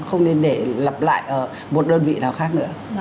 không nên để lặp lại ở một đơn vị nào khác nữa